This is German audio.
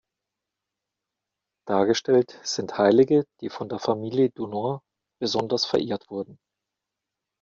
Dargestellt sind Heilige, die von der Familie Dunois besonders verehrt wurden.